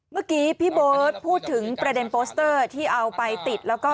เมื่อกี้พี่เบิร์ตพูดถึงประเด็นโปสเตอร์ที่เอาไปติดแล้วก็